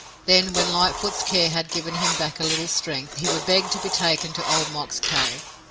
Then when Lightfoot's care had given him back a little strength, he would beg to be taken to Old Mok's cave.